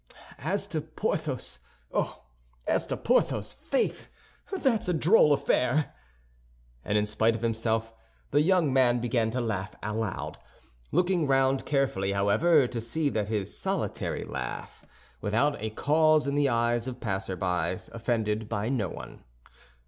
As to Porthos—oh, as to Porthos, faith, that's a droll affair!" And in spite of himself, the young man began to laugh aloud, looking round carefully, however, to see that his solitary laugh, without a cause in the eyes of passers by, offended no one.